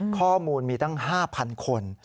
ข้อมูลมีตั้ง๕๐๐คน